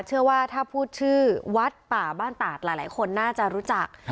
เชื่อว่าถ้าพูดชื่อวัดป่าบ้านตาดหลายคนน่าจะรู้จัก